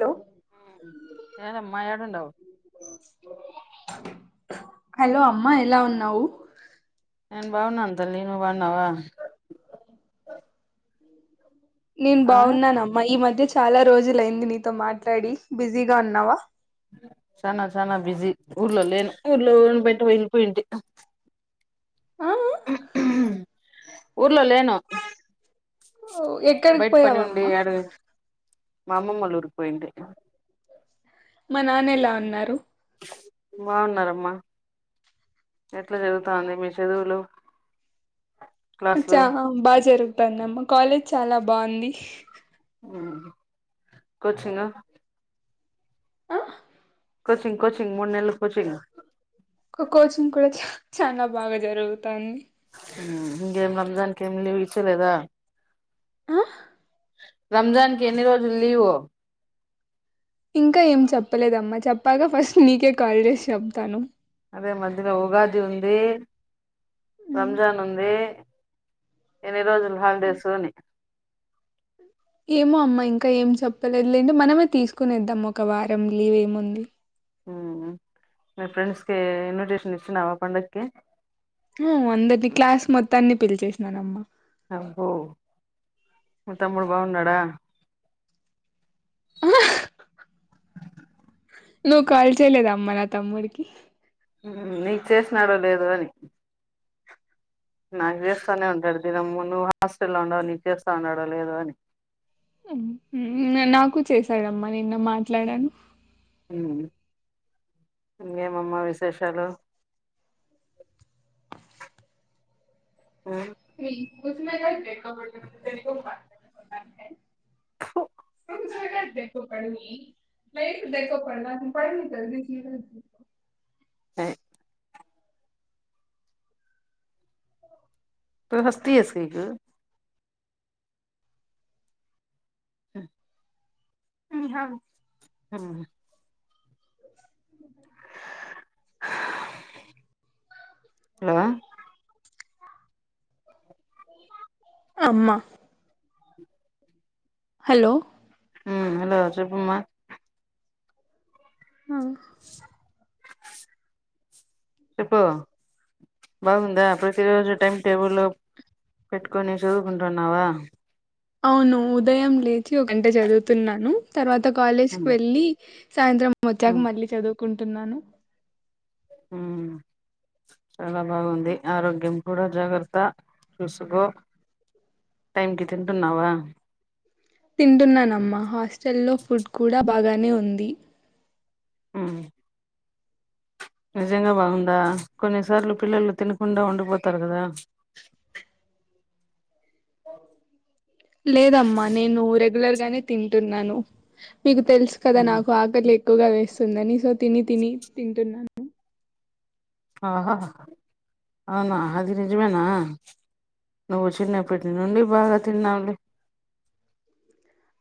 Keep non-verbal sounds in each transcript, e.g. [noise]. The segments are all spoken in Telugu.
హలో హు హ్ యాదమ్మా యాడుండవు హలో అమ్మా ఎలా ఉన్నావు నేను బాగున్నాన్ తల్లీ నువ్వు బాన్నావా నేన్ బావున్నానమ్మ ఈ మధ్య్ అదే చాలా రోజులయ్యింది. నీతో మాట్లాడి బిజీగా ఉన్నావ. చనా చనా బిజీ ఊర్లో లేను ఊర్లో వదిలిపెట్టి వెళ్ళిపోయింటి ఆ ఊర్లో లేను ఓ, ఎక్కడికి బయట పని ఉండి పోయావమ్మా అడువేంటి. మా అమ్మమ్మలూరుకి పోయింటి మా నాన్న ఎలా ఉన్నారు బాగున్నారమ్మా ఎట్లా జరుగుతంది మీ చదువులు క్లాసులు అచ్చా బజారు చెప్పన్నామ్మా కాలేజ్ చాలా బాగుంది కోచింగ ఆ, కోచింగ్ కోచింగ్ మూడు నెలలు కోచింగ్ ఒక కోచింగ్ కూడా చ చాలా బాగా జరుగుతుంది ఇంకేం నమ్దానికి ఏం లీవ్ ఇచ్చలేదా అ రంజాన్ కే ఎన్ని రోజులు లీవ్ ఇంకా ఏం చెప్పలేదమ్మా చెప్ప బాగా ఫస్ట్ నీకే కాల్ చేసి చెప్తాను అదే మధ్యలో ఉగాది ఉంది రంజాన్ ఉంది ఎన్ని రోజుల హాలిడేస్ అని ఏమో అమ్మ ఇంకా ఏం చెప్పలేదు లేంట మనమే తీసుకునేద్దాం ఒక వారం లీవ్ ఏముంది హుమ్మ్ మీ ఫ్రెండ్స్కి ఇన్విటేషన్ ఇచ్చినవా పండగక్కి హుమ్ అందరిని క్లాస్ మొత్తాన్ని పిలిచేసినానమ్మ అహో మ తముడు బాగున్నాడా నువ్వు కాల్చయలేదు అమ్మ నా తమ్ముడికి నీకు చేసినాడో లేదు అని నాకు చేస్తానే ఉంటాడు దీినమ్ నువ్వు హాస్టల్లో ఉంవు నీవు చేస్తా ఉండో లేదో అని నాకు చేశాడమ్మా నిేన్న మాట్లాడాను ఇంకేమమ్మ విశేషాలు ఉమ్ ఫు [unintelligible] [unintelligible] త హస్తి సకు [inaudible] [inaudible] హలో అమ్మ హలో హ హలో చెప్పమ్మా అ చెప్పు బాగుందా ప్రతిరోోజు టైమ్ టేబుల్ పెట్టుకొని చదువుకుంటున్నావా అవును ఉదయం లేచి ఒక గంట చదువుతున్నాను తర్వాత కాలేజ్కి ఉమ్ వెళ్ళి సాయంత్రం వచ్చాక ఉమ్ మళ్ళీ చదువు కుంటున్నాను చాలా బాగుంది ఆరోగ్యం కూడా జాగ్రత్త చూసుకో టైం కి తింటున్నావా తింటున్నానమ్మా హాస్టల్ లో ఫుడ్ కూడా బాగానే ఉంది ఆమ్ నిజంగా బాగుందా కొన్నిసార్లు పిల్లలు తినకుండా ఉండిపోతారు కదా లేదమ్మా నేను రెగ్యులర్ గానే తింటున్నాను మీ తెల్సు కదా ఉమ్ నాకు ఆకలి ఎక్కువగా వేస్తుందని సో తిని తిని తింటున్నాను ఆహా అవునా అది నిజమేనా నువ్వు చిన్నప్పటి నుండి బాగా తిన్నవులే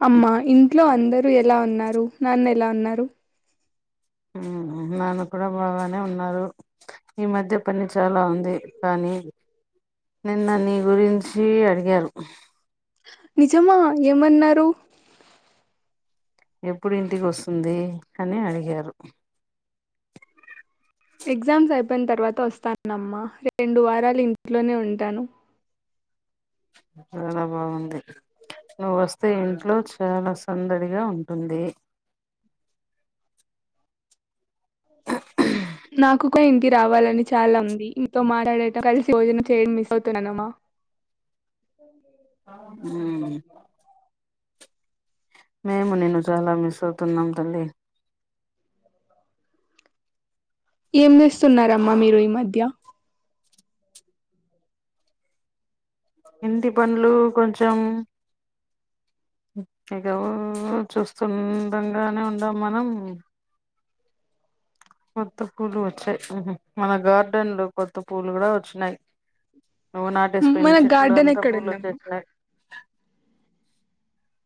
అమ్మా ఇంట్లో అందరూ ఎలా ఉన్నారు నాన్న ఎలా ఉన్నారు హమ్ నాన్న కూడా బాగానే ఉన్నారు ఈ మధ్య పని చాలా ఉంది కానీ నిన్న నీ గురించి అడిగారు నిజమా ఏమన్నారు ఎప్పుడు ఇంటికి వస్తుంది అని అడిగారు ఎగ్జామ్స్ అయిపోయిన తర్వాత వస్తాను అమ్మా రెండు వారాలు ఇంట్లోనే ఉంటాను చాలా బాగుంది నువ్వు వస్తా స్తే ఇంట్లో చాలా సందడి గా ఉంటుంది నాకు నాకు ఇంటికీ రావాలని చాలా ఉంది నీతో మాట్లాడి కలిసి భోజనం చేయడం మిస్ అవుతున్నానమ్మా ఉహు మేము నిన్ను చాలా మిస్ అవుతున్నాము తల్లి ఏం చేస్తున్నారమ్మా మీరు ఈ మధ్య ఇంటి పనులు కొంచం ఇగ ఊ చూస్తుండగానే ఉండం మనం ఓ పూలు వచ్చాయి మన గార్డెన్ లో కొత్త పూ పువ్వులు కూడా వచ్చినాయి నువ్వు నాటేసి పోయిన మన చెట్లు గార్డెన్ అంతా పువ్వులు ఎక్కడుందమ్మా వచ్చేసిన్నాయి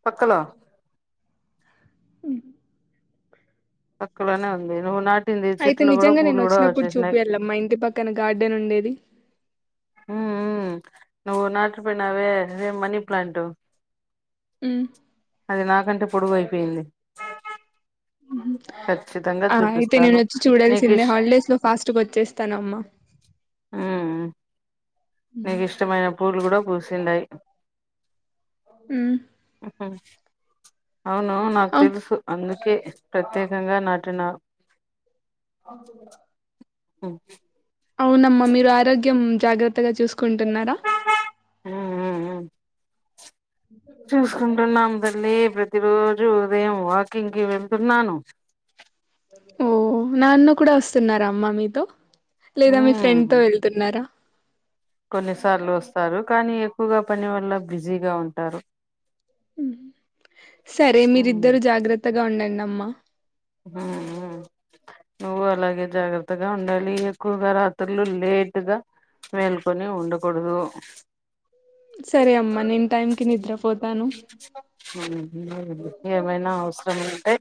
పక్కల పక్కలోనే ఉంది నువ్వు నాటి అయితే నిజంగా నేను వచ్చినప్పుడు చూపియాలమ్మ ఇంటి పక్కన గార్డెన్ ఉండేది ఉ ఊ నువ్వు నాటి పోయినావే అదే మనీ ప్లాంట్ ఉమ్ అది నా కంటే పొడువు అయిపోయింది ఖచ్చితంగా ఆ అయితే నేను చూపిస్తాను వచ్చి నీకు చూడాల్సిందే ఇష్ హాలిడేస్ లో ఫాస్ట్ గా వచ్చేస్తానమ్మా హు నీకు ఇష్టమైన పూవ్వులు కూడా పూస తిన్నదాయి ఉమ్ హు అవును నాకు అవ్ తెలుసు అందుకే ప్రత్యేకంగా నాటిన ఓ మ్మ్ అవునమ్మా మీరు ఆరోగ్యం జాగర్ త్తగా చూసుకుంటున్నారా చూసుకుంటున్నాము తల్లి ప్రతి రోజు ఉదయం వాకింగ్ కి వెళ్తున్నాను. ఓ నాన్న కూడా వస్తున్నార అమ్మా మీతో లేదా మీ ఫ్రెండ్ మ్మ్ తో వెళ్తున్నారా కొన్నిసార్లు వస్తారు కానీ ఎక్కువగా పని వల్ల బిజీగా ఉంటారు మ్మ్ సరే మ్మ్ మీరిద్దరు జాగ్రత్తగా ఉండండి అమ్మా మ్మ్ హ్మ్ నువ్వు అలాగే జాగ్రత్తగా ఉండాలి, ఎక్కువగా రాత్రుళ్ళు లేట్గా మేల్కొని ఉండకూడదు. సరే అమ్మా నేను టైం కి నిద్రపోతాను మ్మ్ హ్మ్ ఏమైనా అవసరం ఉంటే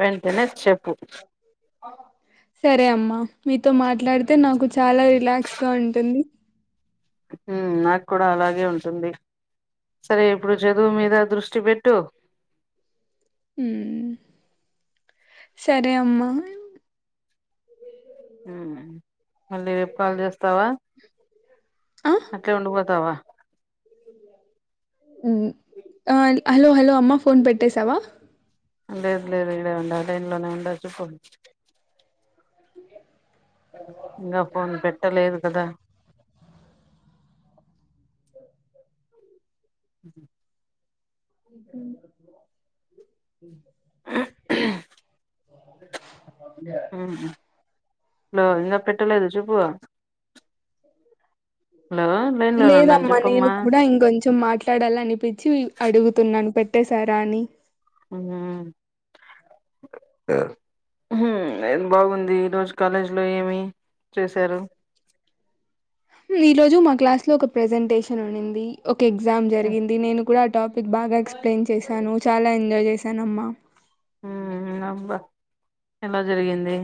వెంటనే చెప్పు అమ్మ మీతో మాట్లాడితే నాకు చాలా రిలాక్స్ గా ఉంటుంది మ్మ్ నాకు కూడా అలాగే ఉంటుంది. సరే ఇప్పుడు చదువు మీద దృష్టి పెట్టు. హ్మ్ సరే అమ్మా హ్మ్ అళ్ లేపా లేస్ స్తవా ఆ అట్లే ఉండి పోతావా మ్మ్ ఆ హలో హలో అమ్మ ఫోన్ పెట్టేసావా లేదు లేదు ఇడే ఉండ లైన్లోనే ఉండ చెప్పు ఇంగా ఫోన్ పెట్టలేదు కదా మ్మ్ హ్మ్ ఇది ఉమ్, హలో ఇంగా పెట్టలేదు చెపు హలో లైన్ లోనే ఉన్నాను లేదమ్మా నేను చెప్పమ్మా కూడా ఇంకొంచెం మాట్లాడాల అనిపిచ్చి అడుగుతున్నాను పెట్ చేసా రాని ఆ హ్మ్ బాగుంది ఈ రోజు కాలేజీ లో ఏమి చేశారు. ఈ రోజు మా క్లాస్ లో ఒక ప్రెజెంటేషన్ ఉండింది. ఎగ్జామ్ జరిగింది నేను కరాటక్ బా ఎస్ప్ెయిన్ చేసాను చాలా ఎంాయ్ చేస సనమ్మ అబ్బా ఎలా జరిగింది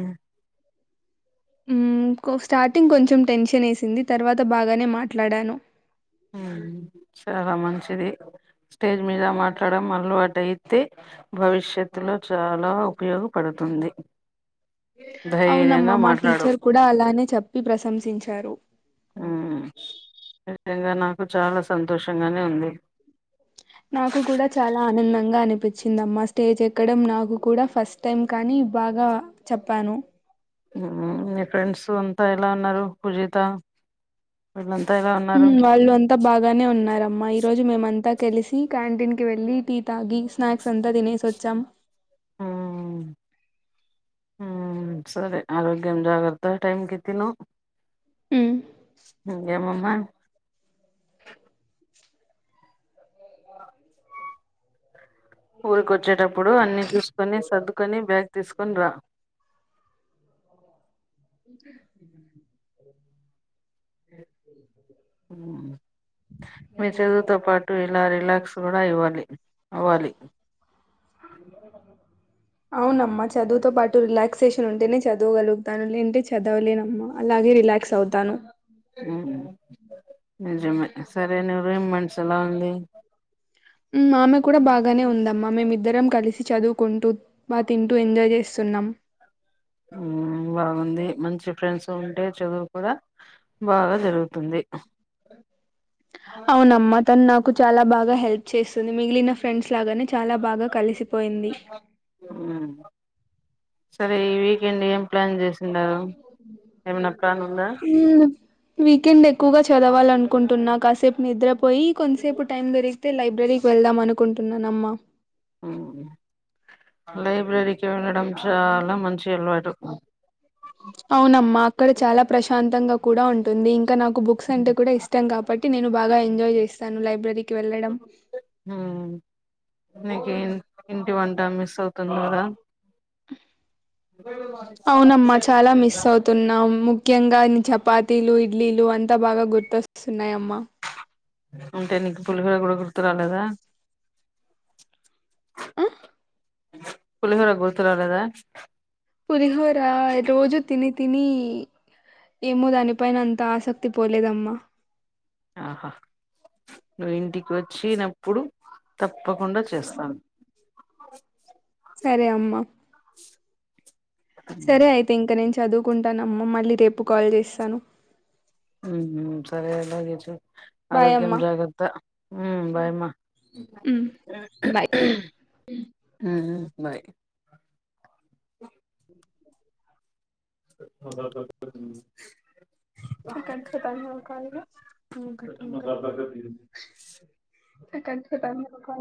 స్టార్టింగ్ కొంచెం టెన్షన్ వేసింది తర్వాత బాగానే మాట్లాడాను సాలామ సర స్టేజ్ మీద మాట్లాడడం వాళ్ళు అయితే భవిష్యత్లో చాలవు ఉపయోగపడుతుంది అవునమ్మా ధైర్యంగా మా మాట్లాడు టీచర్ కూడా అలానే చెప్పి ప్రశంసించారు నింగా నాకు చాలా సంతోషంగానే ఉంది నాకు కూడా చాలా ఆనందంగా అనిపించిందమ్మా స్టేజ్ ఎక్కడం నాకు కూడా ఫస్ట్ టైం కానీ బాగా చెప్పాను మీ ఫ్రెండ్స్ అంతా ఎలా ఉన్నారు కుజితళ వాళ్ళు అంతా బాగానే ఉన్నారు అమ్మా ఈ రోజు మేమంతా కలిసి క్యాంటీన్ కి వెళ్ళి టీ తాగి స్నాక్స్ అంతా తినేసి వచ్చాం ఉమ్ సరే ఆరోగ్యం జాగరత టైమ్ కితి ను హ్మ్. ఏమమ్మా ఊరికొచ్చేటప్పుడు అన్ని చూసుకొని సర్దుకొని బ్యాగ్ తీసుకొని రా మీ చదువుతో పాటు ఇలా రిలాక్స్ కూడా ఇవ్వాలి అవ్వాలి అవునమ్మా చదువుతో పాటు రిలాక్సేషన్ ఉంటే న చదవగలుగుతాను లేంటే చదవలేనమ్మా అలాగే రిలాక్స్ అవుతాను నిజమే సరే నువ ర ఏం మనిష ఎలా ఉంది ఆమె కూడా బాగానే ఉందమ్మా మే ఇద్దరం కలిసి చదువుకుంటూ మా తింటూ ఎంజాయ్ చేస్తున్నాం బాగుంది మంచి ఫ్రెండ్స్ ఉంటే చదువు కూడా బాగా జరుగుతుంది అవున అమ్మ తన్నా చాలా బాగా హెల్ప్ చేస్తుంది మిగిలిన ఫ్రెండ్స్ లాగానే చాలా బాగా కలిసిపోయింది మ్మ్ సరే ఈ వీకెండ్ ఏం ప్లాన్ చేస్తంది ఎండా ఎమనక్కను ఉందా హ్మ్ వీకెండ్ ఎ ఎక్కువగా చదవాలనుకుంటున్నా కాస్ సేపు నిద్రపోయి కొంతసేపు టైం దొరిగితే లైబ్రరీకి వెళదాం అనుకుంటున్నాన అమ్మా లైబ్రరీకి వెళ్లడం చాలా మంచి అలవాటు అవునమ్మా అక్కడ చాలా ప్రశాంతంగా కూడా ఉంటుంది ఇంకా నాకు బుక్స్ అంటే కూడా ఇష్టం కాబ నేను బాగా ఎంజాయ్ చేస్తానులైబరీ హ్మ్ నికి ఇంటి వం టా మిస్ అవుతునారా ఓ అవునమ్మా చాలా మిస్ అవుతున్నాం ము ముఖ్యంగా చపాతీలు ఇడ్లీలు అంతా బాగా గుర్తొస్తున్నాయమ్మా ఉంటే నీకు పులుకా కూడా గుర్తు రాలేదా అ పులిహోర గుర్తురాలేదా పులిహోరా ఎ రోజు తిని తిని ఏమో దాని పైన అంత ఆసక్తి పోలేదమ్మా ఆహా నువ్వు ఇంటికి వచ్చినప్పుడు తప్పు తప్పకుండా చేస్తాను సరే అమ్మా సరే అయితే ఇంకా నేన్ చదువుకుంటానమ్మ మళ్ళీ రేపు కాల్ చేస్తాను హ్మ్ హ్మ్ సరే అలాగే చ బాయ్ ఆరోగ్యం జాగ్రత్త హ్మ్ బాయ్ అమ్మ హ్మ్ బాయ్ ఉహు బాయ్ అ కట్ కట్ అయిందా కాల్ కట్ కట్ అయిందా కాల్